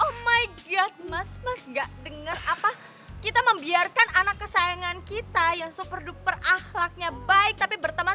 oh my god mas gak denger apa kita membiarkan anak kesayangan kita yang super duper ahlaknya baik tapi berteman